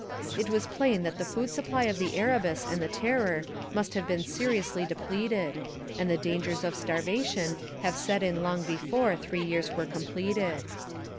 It was plain that the food supply of the Erebus and the Terror must have been seriously depleted, and the dangers of starvation have set in long before three years were completed.